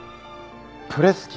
プレス機？